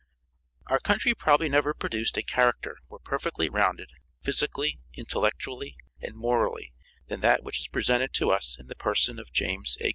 Our country probably never produced a character more perfectly rounded, physically, intellectually and morally than that which is presented to us in the person of James A.